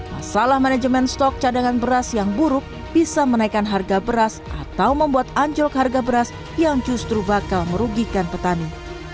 masalah manajemen stok cadangan beras yang buruk bisa menaikkan harga beras atau membuat anjlok harga beras yang justru bakal merugikan petani